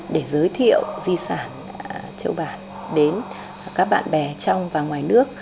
để giới thiệu di sản châu bản đến các bạn bè trong và ngoài nước